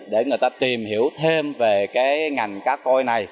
để người ta tìm hiểu thêm về cái ngành cá coi này